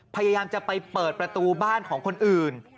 พยายามจะไปเปิดประตูบ้านของคนอื่น